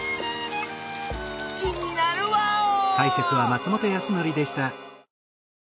気になるワオー！